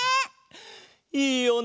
いいよな。